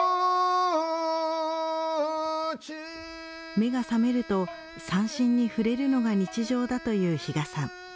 目が覚めると、三線に触れるのが日常だという比嘉さん。